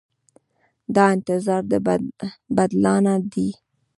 دا انتظار د بدلانه دی.